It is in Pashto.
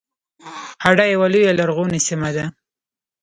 هډه یوه لویه لرغونې سیمه ده